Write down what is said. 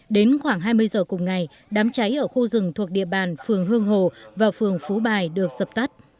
đến khoảng hai mươi giờ cùng ngày đám cháy ở khu rừng thuộc địa bàn phường hương hồ và phường phú bài được sập tắt